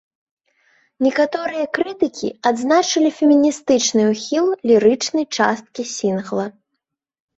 Некаторыя крытыкі адзначылі феміністычны ухіл лірычнай часткі сінгла.